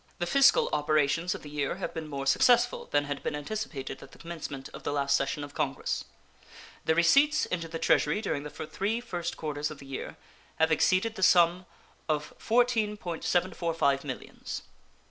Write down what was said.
The fiscal operations of the year have been more successful than had been anticipated at the commencement of the last session of Congress. The receipts into the Treasury during the three first quarters of the year have exceeded the sum of $14.745 millions.